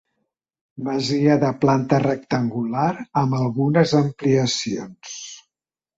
Masia de planta rectangular amb algunes ampliacions.